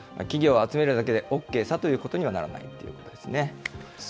企業を集めるだけで、ＯＫさということにはならないということですね。